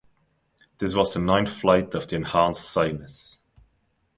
This was the ninth flight of the Enhanced Cygnus.